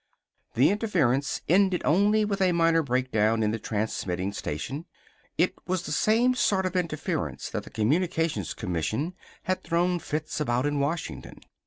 The interference ended only with a minor break down in the transmitting station. It was the same sort of interference that the Communications Commission had thrown fits about in Washington.